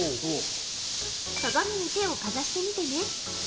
鏡に手をかざしてみてね。